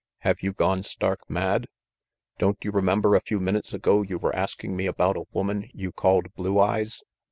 "Have you gone stark mad? Don't you remember a few minutes ago you were asking me about a woman you called Blue Eyes?